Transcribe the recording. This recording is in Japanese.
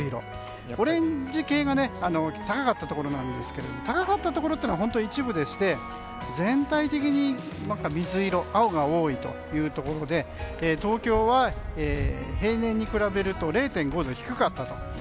オレンジ系が高かったところなんですが高かったところというのは本当、一部でして全体的に水色、青が多いところで東京は平年に比べると０．５度低かったと。